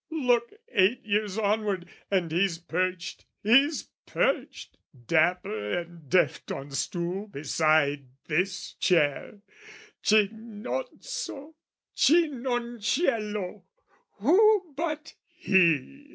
Look eight years onward, and he's perched, he's perched, Dapper and deft on stool beside this chair, Cinozzo, Cinoncello, who but he?